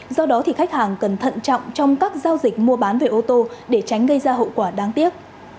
do đó thì khách hàng cần thận trọng trong các giao dịch mua bán về ô tô để tránh gây ra hậu quả đáng tiếc